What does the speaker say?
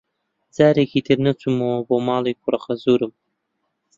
جارێکی تر نەچوومەوە بۆ ماڵی کوڕەخەزوورم.